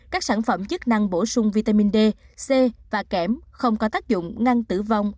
các sản phẩm chức năng bổ sung vitamin d c và kém không có tác dụng ngăn tử vong